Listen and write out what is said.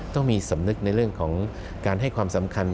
ต้องมีสำนึกในเรื่องของการให้ความสำคัญ